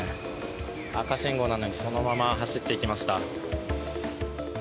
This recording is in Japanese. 赤信号なのにそのまま走っていきました。